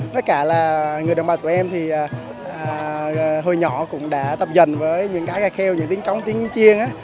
với cả là người đồng bào tụi em thì hồi nhỏ cũng đã tập dần với những cái cả kheo những tiếng trống tiếng chiên á